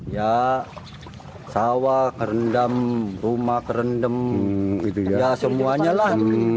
ya sawah kerendam rumah kerendam ya semuanya lah